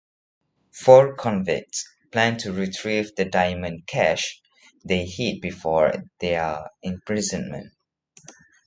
Four convicts plan to retrieve the diamond cache they hid before their imprisonment.